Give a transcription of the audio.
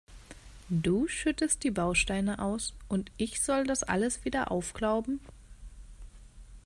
Du schüttest die Bausteine aus, und ich soll das alles wieder aufklauben?